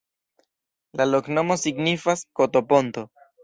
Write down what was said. La loknomo signifas: koto-ponto.